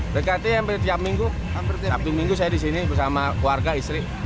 dekati hampir tiap minggu hampir tiap minggu saya di sini bersama keluarga istri